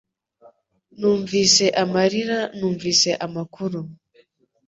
Numvise amarira numvise amakuru